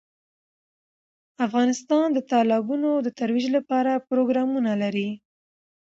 افغانستان د تالابونه د ترویج لپاره پروګرامونه لري.